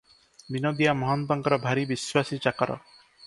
ବିନୋଦିଆ ମହନ୍ତଙ୍କର ଭାରି ବିଶ୍ୱାସୀ ଚାକର ।